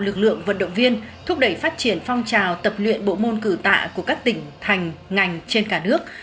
lực lượng vận động viên thúc đẩy phát triển phong trào tập luyện bộ môn cử tạ của các tỉnh thành ngành trên cả nước